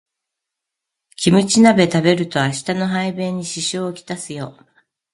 キムチ鍋食べると明日の排便に支障をきたすよ